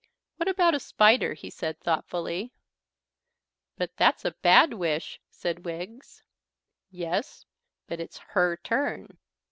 "What about a spider?" he said thoughtfully. "But that's a bad wish," said Wiggs. "Yes, but it's her turn."